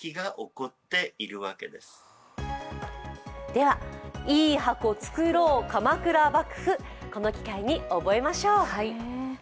では「イイハコつくろう鎌倉幕府」、この機会に覚えましょう。